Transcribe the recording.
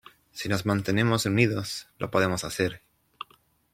Si nos mantenemos unidos lo podemos hacer.